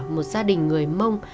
một gia đình người mông